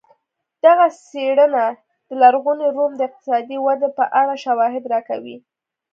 دغه څېړنه د لرغوني روم د اقتصادي ودې په اړه شواهد راکوي